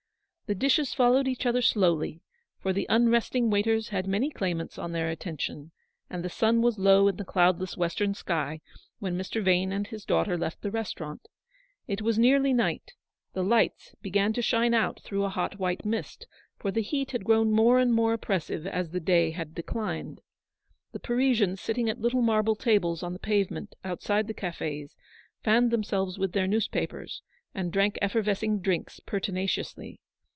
The dishes followed each other slowly, for the unresting waiters had many claimants on their attention, and the sun was low in the cloudless western sky when Mr. Vane and his daughter left the restaurant. It was nearly night ; the lights "UPON THE THRESHOLD OE A GREAT SORROW. 85 began to shine out through a hot white mist, for the heat had grown more and more oppressive as the day had declined. The Parisians sitting at little marble tables on the pavement outside the cafes fanned themselves with their newspapers, and drank effervescing drinks pertinaciously.